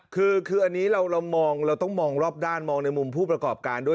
คืออันนี้เรามองเราต้องมองรอบด้านมองในมุมผู้ประกอบการด้วย